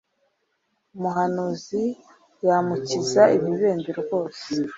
umuhanuzi yamukiza ibibembe rwose